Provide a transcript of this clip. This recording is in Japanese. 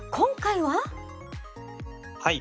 はい。